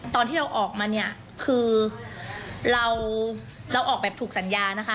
ตอนที่เราออกมาเนี่ยคือเราเราออกแบบถูกสัญญานะคะ